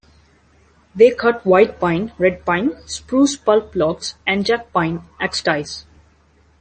They cut white pine, red pine, spruce pulp logs, and jack pine axe ties.